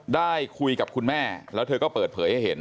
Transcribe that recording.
ได้คุยกับคุณแม่แล้วเธอก็เปิดเผยให้เห็น